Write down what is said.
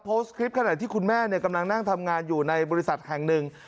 โพสต์คลิปขณะที่คุณแม่กำลังนั่งทำงานอยู่ในบริษัทแห่งหนึ่ง